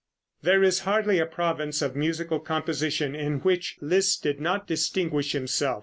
] There is hardly a province of musical composition in which Liszt did not distinguish himself.